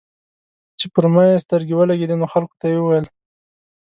چې پر ما يې سترګې ولګېدې نو خلکو ته یې وويل.